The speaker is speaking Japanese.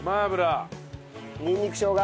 にんにくしょうが。